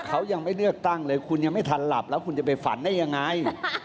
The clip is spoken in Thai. เขายังไม่เลือกตั้งเลยคุณยังไม่ทันหลับแล้วคุณจะไปฝันได้ยังไง